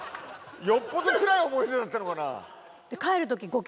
よっぽどつらい思い出だったのかな。